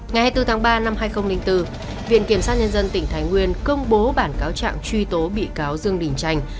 ngày hai mươi bốn tháng ba năm hai nghìn bốn viện kiểm sát nhân dân tỉnh thái nguyên công bố bản cáo trạng truy tố bị cáo dương đình chanh